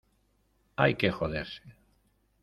hay que joderse.